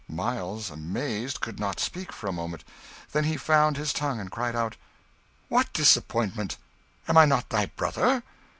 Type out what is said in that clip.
Miles, amazed, could not speak for a moment; then he found his tongue, and cried out "What disappointment? Am I not thy brother?"